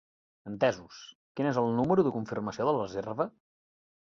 Entesos, quin és el número de confirmació de la reserva?